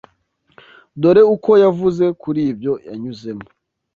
Dore uko yavuze kuri ibyo yanyuzemo